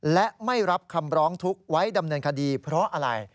และไม่รับคำร้องทุกข์ไว้ดำเนินคดีเพราะอะไร